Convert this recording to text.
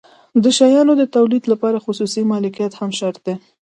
د شیانو د تولید لپاره خصوصي مالکیت هم شرط دی.